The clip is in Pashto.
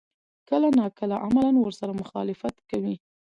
کله نا کله عملاً ورسره مخالفت کوي.